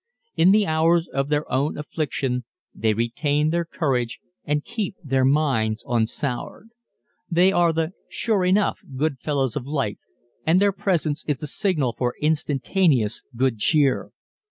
In the hours of their own affliction they retain their courage and keep their minds unsoured. They are the sure enough "good fellows" of life and their presence is the signal for instantaneous good cheer.